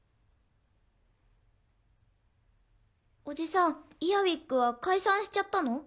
おじさんＥＡＲＷＩＧは解散しちゃったの？